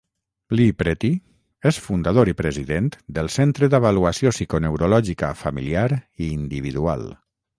Li Preti és fundador i president del centre d'avaluació psiconeurològica familiar i individual.